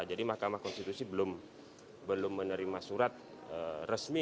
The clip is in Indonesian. jadi mahkamah konstitusi belum menerima surat resmi